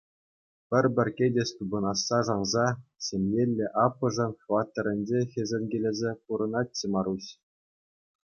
Пӗр-пӗр кӗтес тупӑнасса шанса ҫемьеллӗ аппӑшӗн хваттерӗнче хӗсӗнкелесе пурӑнатчӗ Маруҫ.